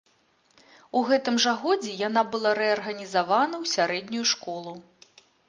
У гэтым жа годзе яна была рэарганізавана ў сярэднюю школу.